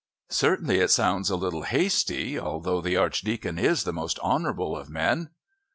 Certainly it sounds a little hasty, although the Archdeacon is the most honourable of men."